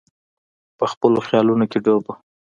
په خپلو خیالونو کې ډوب وو.